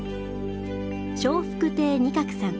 笑福亭仁鶴さん